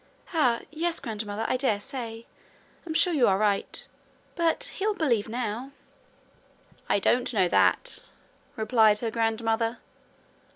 'Ah! yes, grandmother, I dare say. I'm sure you are right. But he'll believe now.' 'I don't know that,' replied her grandmother.